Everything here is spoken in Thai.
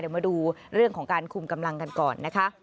เดี๋ยวมาดูเรื่องของการคุมกำลังกันก่อนนะคะ